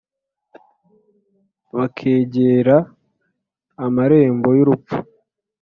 Bakegera amarembo y urupfu